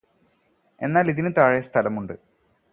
എന്നാല് ഇതിന് താഴെ സ്ഥലമുണ്ട്